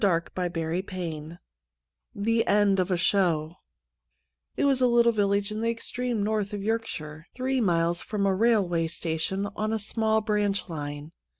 99 f2 THE END OF A SHOW It was a little village in the extreme north of Yorkshire, three miles from a railway station on a small branch line.